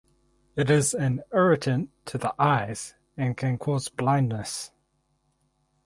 It is an irritant to the eyes and can cause blindness.